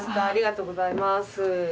ありがとうございます。